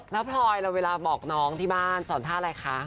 แล้วพลอยแล้วเวลาบอกน้องที่บ้านสอนท่าอะไรคะ